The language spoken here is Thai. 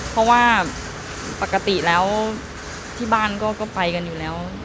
เพราะว่าปกติแล้วที่บ้านก็ไปกันอยู่แล้ว